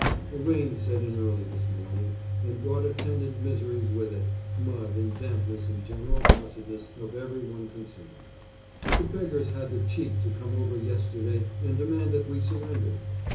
A rain set in early this morning and brought attendant miseries with it, mud and dampness and general cussedness of every one concerned. The beggars had the cheek to come over yesterday and demand that we surrendered.